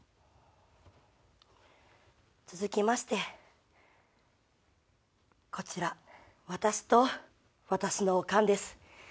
続きましてこちら私と私のオカンです。